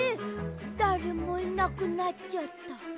だれもいなくなっちゃった。